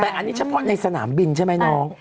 แต่อันนี้เฉพาะในสนามบินใช่ไหมน้อง